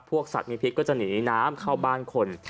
สัตว์มีพิษก็จะหนีน้ำเข้าบ้านคน